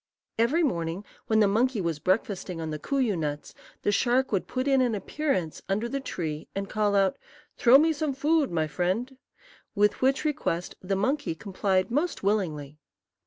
Every morning, when the monkey was breakfasting on the kooyoo nuts, the shark would put in an appearance under the tree and call out, "Throw me some food, my friend;" with which request the monkey complied most willingly.